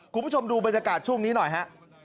คุณผู้ชมดูบรรยากาศช่วงนี้หน่อยฮะ